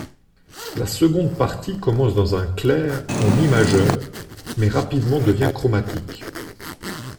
La seconde partie commence dans un clair en mi majeur, mais rapidement devient chromatique.